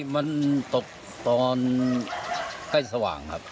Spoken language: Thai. มันตกตอนใกล้สว่างครับ